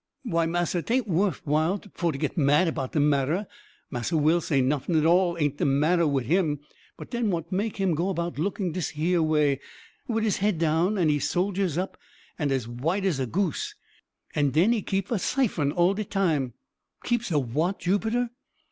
"Why, massa, 'taint worf while for to git mad about de matter Massa Will say noffin at all aint de matter wid him but den what make him go about looking dis here way, wid he head down and he soldiers up, and as white as a goose? And den he keep a syphon all de time " "Keeps a what, Jupiter?"